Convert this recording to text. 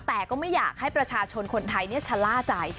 แต่ก็ไม่อยากให้ประชาชนคนไทยชะล่าใจ